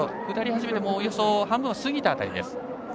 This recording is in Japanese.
下り始めておよそ半分を過ぎた辺りです。